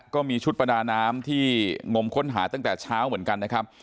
ก็มีชุดประดาน้ำที่งมค้นหาตั้งแต่เช้าเหมือนกันนะครับ